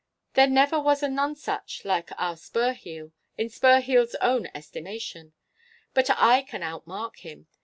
There never was a nonsuch like our Spurheel—in Spurheel's own estimation. But I can outmark him.